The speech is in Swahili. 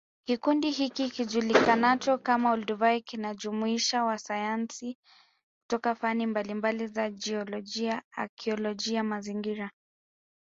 Kikundi hiki kijulikanacho kama Olduvai kinajumuisha wanasayansi kutoka fani mbalimbali za jiolojia akioloji mazingira